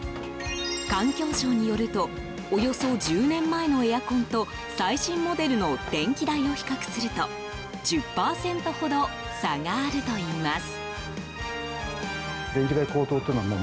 環境省によるとおよそ１０年前のエアコンと最新モデルの電気代を比較すると１０％ほど差があるといいます。